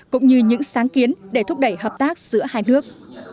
cũng như những sáng kiến để thúc đẩy hợp tác giữa hai nước